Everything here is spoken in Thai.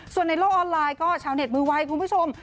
ส่วนในโลกออนไลน์ก็ชาวเน็ตมือไวคุณผู้ชม